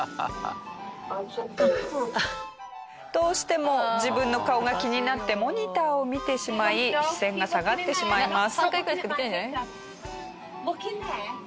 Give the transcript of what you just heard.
どうしても自分の顔が気になってモニターを見てしまい視線が下がってしまいます。